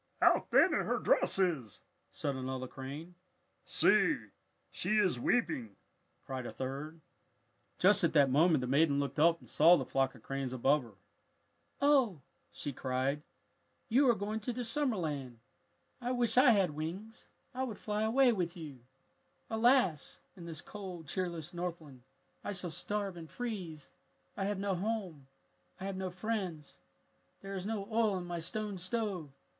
"How thin her dress is!" said another crane. "See, she is weeping!" cried a third. Just at that moment the maiden looked up and saw the flock of cranes above her. "Oh," she cried, "you are going to the summer land. I wish I had wings. I would fly away with you! "Alas! in this cold, cheerless Northland I shall starve and freeze. I have no home. I have no friends. "There is no oil in my stone stove!